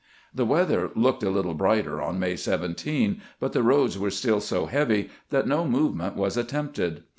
The weather looked a little brighter on May 17, but the roads were still so heavy that no movement was attempted.